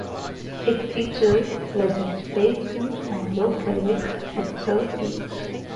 It featured legends Babe Ruth and Lou Gehrig at their peaks.